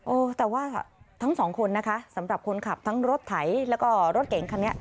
แต่ว่าทั้งสองคนนะคะสำหรับคนขับทั้งรถไถแล้วก็รถเก่งคันนี้